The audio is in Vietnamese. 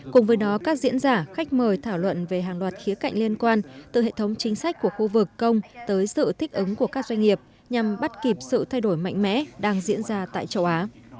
cùng với đó các diễn giả khách mời thảo luận về hàng loạt khía cạnh liên quan từ hệ thống chính sách của khu vực công tới sự thích ứng của các doanh nghiệp nhằm bắt kịp sự thay đổi mạnh mẽ đang diễn ra tại châu á